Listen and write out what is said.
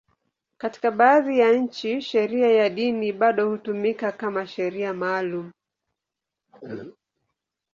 Katika baadhi ya nchi, sheria ya dini bado hutumika kama sheria maalum.